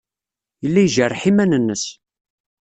Yella ijerreḥ iman-nnes.